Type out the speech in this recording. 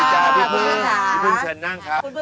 คุณเพิ่งเป็นรุ่นไหนแล้ว